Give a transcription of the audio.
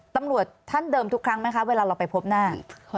ตำรวจท่านเดิมทุกครั้งไหมคะเวลาเราไปพบหน้า